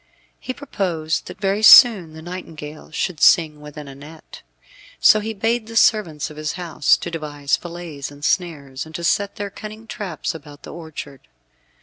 He purposed that very soon the nightingale should sing within a net. So he bade the servants of his house to devise fillets and snares, and to set their cunning traps about the orchard.